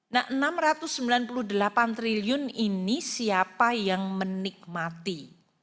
nah rp enam ratus sembilan puluh delapan triliun ini siapa yang menikmati